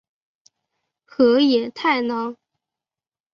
河野太郎。